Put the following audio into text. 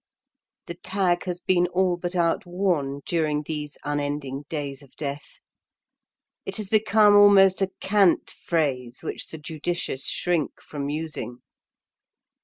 The tag has been all but outworn during these unending days of death; it has become almost a cant phrase which the judicious shrink from using.